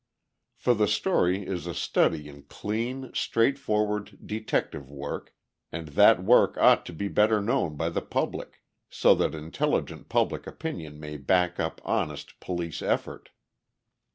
For the story is a study in clean, straightforward detective work, and that work ought to be better known by the public, so that intelligent public opinion may back up honest police effort.